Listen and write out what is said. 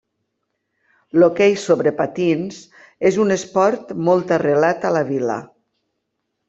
L'hoquei sobre patins és un esport molt arrelat a la vila.